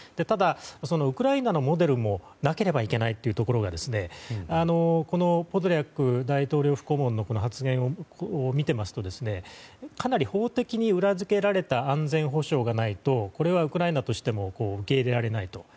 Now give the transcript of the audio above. ただ、ウクライナのモデルもなければいけないというところがポドリャク大統領府顧問の発言を見てますとかなり法的に裏付けられた安全保障がないとこれはウクライナとしても受け入れられないと。